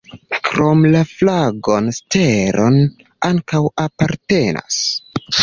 Krome la flagon stelo ankaŭ apartenas.